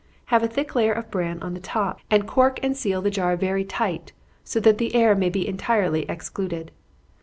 Have a thick layer of bran on the top, and cork and seal the jar very tight, so that the air may be entirely excluded.